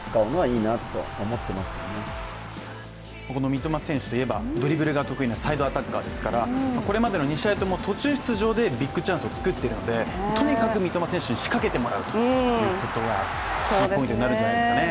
三笘選手といえばドリブルが得意なサイドアタッカーですから、これまでの２試合とも、途中出場でビッグチャンスを作っているのでとにかく三笘選手に仕掛けてもらうということがキーポイントになるんじゃないですかね。